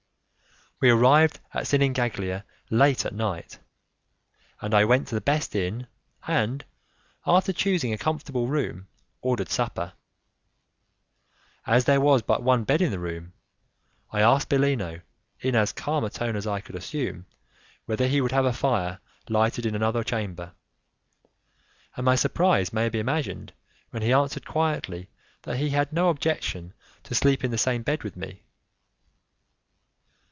We arrived at Sinigaglia late at night, and I went to the best inn, and, after choosing a comfortable room, ordered supper. As there was but one bed in the room, I asked Bellino, in as calm a tone as I could assume, whether he would have a fire lighted in another chamber, and my surprise may be imagined when he answered quietly that he had no objection to sleep in the same bed with me.